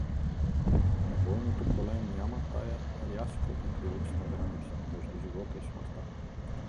На бойното поле няма тая рязка и привична граница между живота и смъртта.